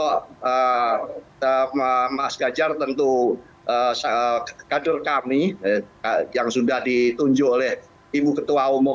kalau mas ganjar tentu kader kami yang sudah ditunjuk oleh ibu ketua umum